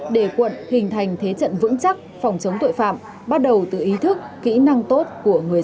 để quận hình thành thế trận vững chắc phòng chống tội phạm bắt đầu từ ý thức kỹ năng tốt của người dân